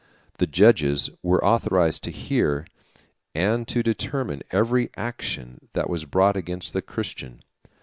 The judges were authorized to hear and to determine every action that was brought against a Christian.